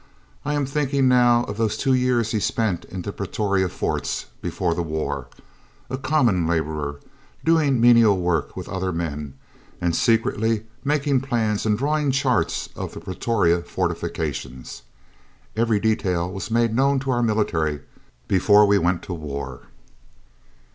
"I am thinking now of those two years he spent in the Pretoria Forts before the war, as a common labourer, doing menial work with other men, and secretly making plans and drawing charts of the Pretoria fortifications. Every detail was made known to our military before we went to war."